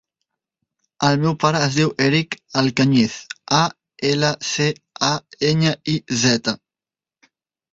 El meu pare es diu Erick Alcañiz: a, ela, ce, a, enya, i, zeta.